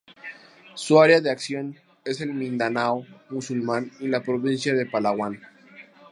Su área de acción es el Mindanao Musulmán y la provincia de Palawan.